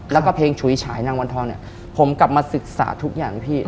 แล้วก็เพลงฉุยฉายนางวันทองเนี่ยผมกลับมาศึกษาทุกอย่างพี่